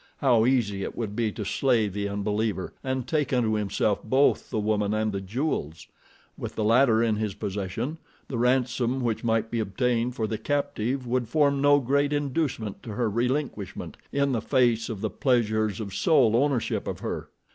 How easy it would be to slay the unbeliever, and take unto himself both the woman and the jewels! With the latter in his possession, the ransom which might be obtained for the captive would form no great inducement to her relinquishment in the face of the pleasures of sole ownership of her.